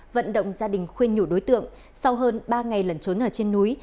vận động gia đình khuyên nhủ đối tượng sau hơn ba ngày lần trốn ở trên núi